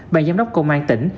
ban giám đốc công an tỉnh